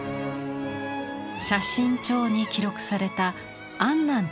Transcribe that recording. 「写真帖」に記録された「安南」という文字。